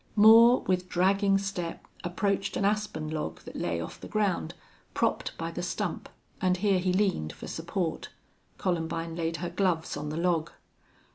Moore, with dragging step, approached an aspen log that lay off the ground, propped by the stump, and here he leaned for support. Columbine laid her gloves on the log.